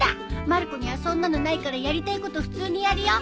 まる子にはそんなのないからやりたいこと普通にやるよ。